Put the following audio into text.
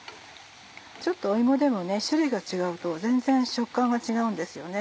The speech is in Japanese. ちょっと芋でも種類が違うと全然食感が違うんですよね。